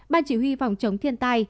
ban chỉ huy phòng chống thiên tai